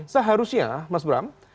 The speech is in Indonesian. seharusnya mas bram